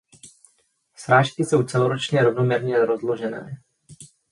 Srážky jsou celoročně rovnoměrně rozložené.